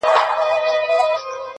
له مودو وروسته يې کرم او خرابات وکړ.